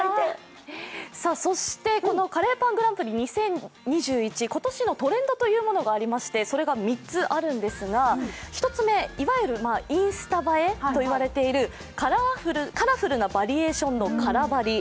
そしてカレーパングランプリ２０２１で、今年のトレンドがありましてそれが３つあるんですが、１つ目、いわゆるインスタ映えといわれているカラフルなバリエーションのカラバリ。